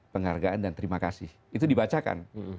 penghargaan dan terima kasih itu dibacakan